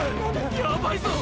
やばいぞ！